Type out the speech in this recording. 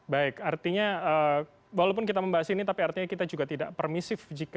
baik artinya walaupun kita membahas ini tapi artinya kita juga tidak permisif